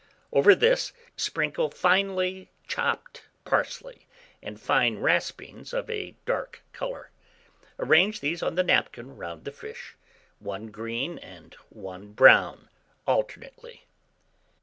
Over this, sprinkle finely chopped parsley and fine raspings of a dark colour. Arrange these on the napkin round the fish, one green and one brown alternately.